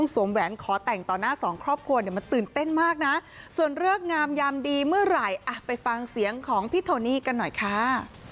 ส่วนเรือกงามยามดีเมื่อไหร่ไปฟังเสียงของพี่โทนี่กันหน่อยค่ะ